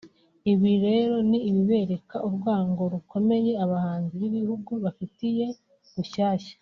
Ibi rero ni ibibereka urwango rukomeye abanzi b’Igihugu bafitiye Rushyashya